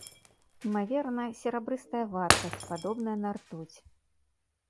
Імаверна, серабрыстая вадкасць, падобная на ртуць.